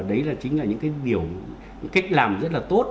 đấy là chính là những cái biểu những cái cách làm rất là tốt